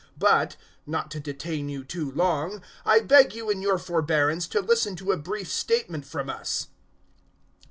024:004 But not to detain you too long I beg you in your forbearance to listen to a brief statement from us.